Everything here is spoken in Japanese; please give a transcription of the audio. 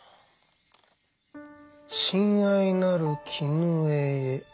「親愛なる絹枝へ。